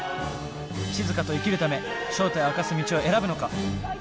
しずかと生きるため正体を明かす道を選ぶのか？